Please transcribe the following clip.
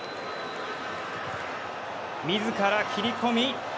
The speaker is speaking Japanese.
みずから切り込み